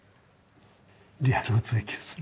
リアルを追求する。